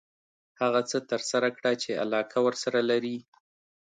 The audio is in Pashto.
هغه څه ترسره کړه چې علاقه ورسره لري .